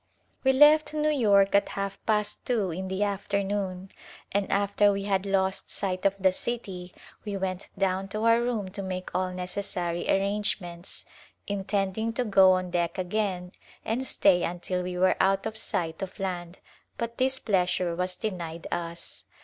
We left New York at half past two in the after noon and after we had lost sight of the city we went down to our room to make all necessary arrangements, intending to go on deck again and stay until we were out of sight of land, but this pleasure was denied us.